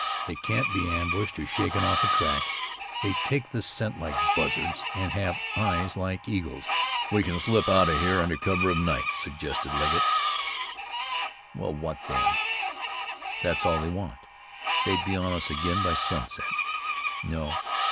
They can't be ambushed, or shaken off a track; they take the scent like buzzards, and have eyes like eagles." "We kin slip out of here under cover of night," suggested Legget. "Well, what then? That's all they want. They'd be on us again by sunset. No!